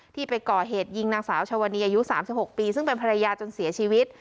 ที่ไปก่อเหตุยิงนางสาวชาวนีอายุ๓๖ปีซึ่งเป็นภรรยาจนเสียชีวิต